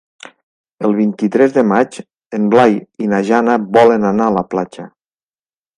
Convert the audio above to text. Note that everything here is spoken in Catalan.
El vint-i-tres de maig en Blai i na Jana volen anar a la platja.